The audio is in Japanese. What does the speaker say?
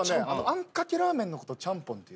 あんかけラーメンのことチャンポンって。